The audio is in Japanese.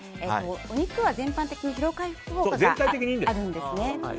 お肉は全般的に疲労回復効果があるんですね。